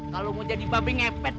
kalau mau jadi babi ngepet